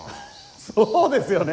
そうですよね。